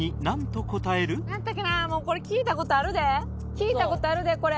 聞いた事あるでこれ。